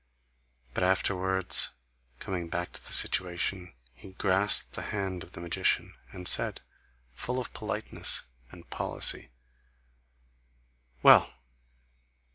But afterwards coming back to the situation, he grasped the hand of the magician, and said, full of politeness and policy: "Well!